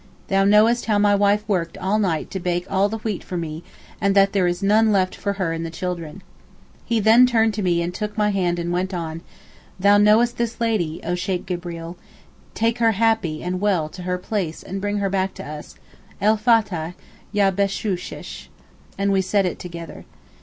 Thou knowest how my wife worked all night to bake all the wheat for me and that there is none left for her and the children.' He then turned to me and took my hand and went on, 'Thou knowest this lady, oh Sheykh Gibreel, take her happy and well to her place and bring her back to us—el Fathah, yah Beshoosheh!' and we said it together.